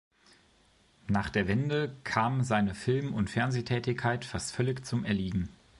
Nach der Wende kam seine Film- und Fernsehtätigkeit fast völlig zum Erliegen.